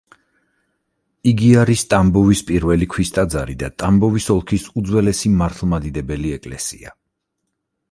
იგი არის ტამბოვის პირველი ქვის ტაძარი და ტამბოვის ოლქის უძველესი მართლმადიდებელი ეკლესია.